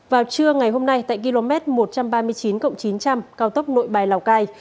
vào trưa ngày hôm nay tại km một trăm ba mươi chín chín trăm linh cao tốc nội bài lào cai